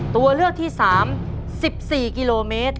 ตัวเลือกที่๓๑๔กิโลเมตร